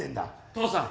父さん。